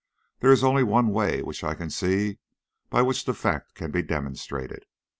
There is only one way which I can see by which the fact can be demonstrated.